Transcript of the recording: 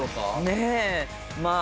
ねえまあ。